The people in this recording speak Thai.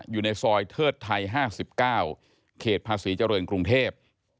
อยู่ในซอยเทิดไทย๕๙เขตภาษีเจริญกรุงเทพ